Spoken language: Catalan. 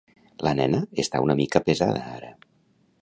La nena està una mica pesada ara.